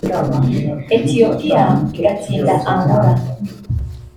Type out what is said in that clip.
Ethiopia igatsinda Angola